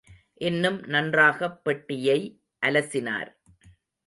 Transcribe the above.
இன்னும் நன்றாகப் பெட்டியை அலசினார்.